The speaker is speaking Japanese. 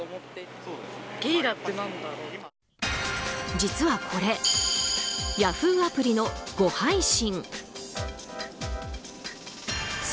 実はこれヤフーアプリの誤配信。